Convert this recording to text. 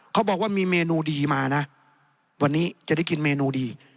เขาบอกว่ามีเมนูดีมานะวันนี้จะได้กินเมนูดี